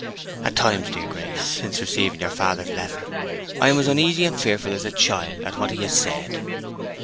At times, dear Grace, since receiving your father's letter, I am as uneasy and fearful as a child at what he said.